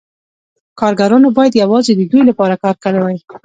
کارګرانو باید یوازې د دوی لپاره کار کړی وای